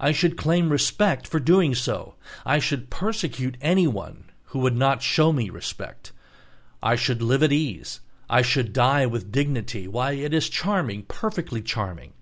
I should claim respect for doing so. I should persecute anyone who would not show me respect. I should live at ease, I should die with dignity, why, it is charming, perfectly charming!